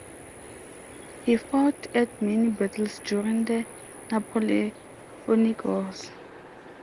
He fought at many battles during the Napoleonic Wars.